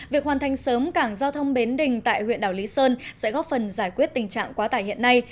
việc hoàn thành sớm cảng giao thông bến đình tại huyện đảo lý sơn sẽ góp phần giải quyết tình trạng quá tải hiện nay